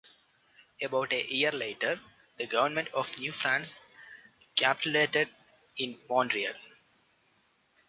About a year later, the government of New France capitulated in Montreal.